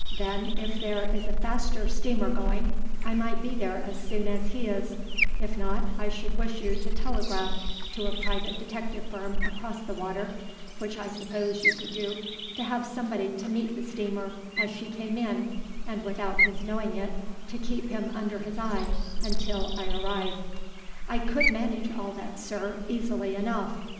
Then if there is a faster steamer going, I might be there as soon as he is; if not, I should wish you to telegraph to a private detective firm across the water, which I suppose you could do, to have somebody to meet the steamer as she came in, and without his knowing it to keep him under his eye until I arrive." "I could manage all that, sir, easily enough.